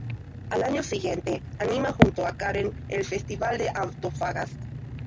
Al año siguiente, anima junto a Karen el Festival de Antofagasta.